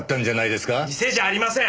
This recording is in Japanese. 店じゃありません！